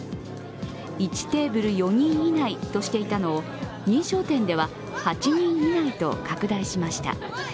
１テーブル４人以内としていたのを認証店では８人以内と拡大しました。